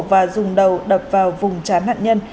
và dùng đầu đập vào vùng trán nạn nhân